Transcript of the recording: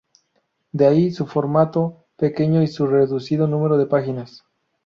De ahí su formato pequeño y su reducido número de páginas.